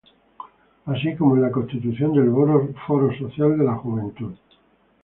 Así como en la constitución del Foro Social de la Juventud.